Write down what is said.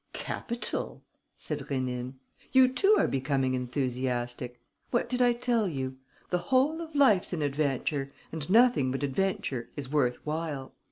"Capital!" said Rénine. "You too are becoming enthusiastic. What did I tell you? The whole of life's an adventure; and nothing but adventure is worth while.